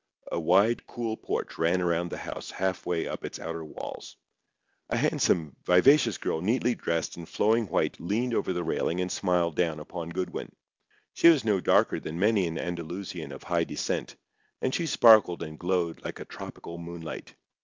A wide cool porch ran around the house half way up its outer walls. A handsome, vivacious girl neatly dressed in flowing white leaned over the railing and smiled down upon Goodwin. She was no darker than many an Andalusian of high descent; and she sparkled and glowed like a tropical moonlight.